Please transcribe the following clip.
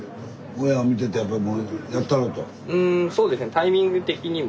タイミング的にも。